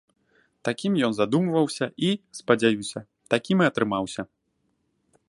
Такім ён задумваўся і, спадзяюся, такім і атрымаўся.